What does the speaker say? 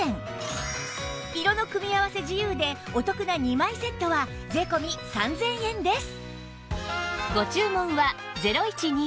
色の組み合わせ自由でお得な２枚セットは税込３０００円です